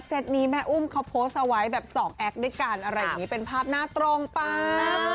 ตนี้แม่อุ้มเขาโพสต์เอาไว้แบบสองแอคด้วยกันอะไรอย่างนี้เป็นภาพหน้าตรงปาก